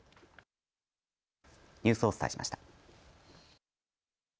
ニュースをお伝えしました。